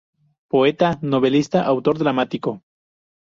Poeta, novelista, autor dramático.